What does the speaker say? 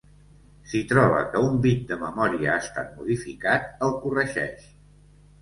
Si troba que un bit de memòria ha estat modificat, el corregeix.